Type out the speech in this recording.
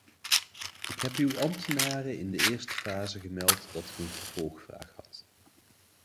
Ik heb uw ambtenaren in de eerste fase gemeld dat ik een vervolgvraag had.